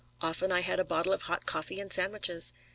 Often I had a bottle of hot coffee and sandwiches.